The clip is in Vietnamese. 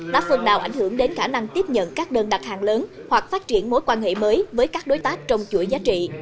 đã phần nào ảnh hưởng đến khả năng tiếp nhận các đơn đặt hàng lớn hoặc phát triển mối quan hệ mới với các đối tác trong chuỗi giá trị